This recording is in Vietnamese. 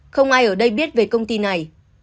không ai ở đây biết về công ty này